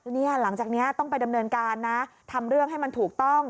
เนี่ยหลังจากนี้ต้องไปดำเนินการนะทำเรื่องให้มันถูกต้อง